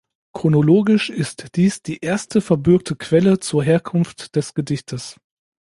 Chronologisch ist dies die erste verbürgte Quelle zur Herkunft des Gedichtes.